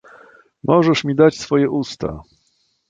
"Możesz mi dać twoje usta!"